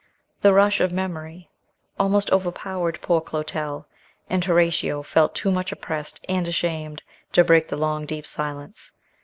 The rush of memory almost overpowered poor Clotel; and Horatio felt too much oppressed and ashamed to break the long deep silence.